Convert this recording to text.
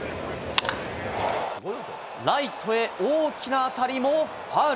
ライトへの大きな当たりもファウル。